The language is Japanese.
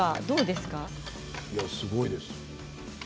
すごいです。